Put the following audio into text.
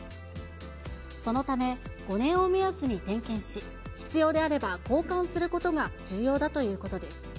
そのため、５年を目安に点検し、必要であれば交換することが重要だということです。